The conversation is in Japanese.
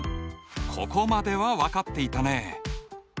ここまでは分かっていたね。